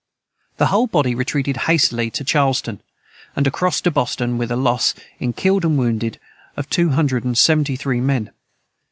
The whole body retreated hastily to Charlestown, and across to Boston, with a loss, in killed and wounded, of two hundred and seventy three men.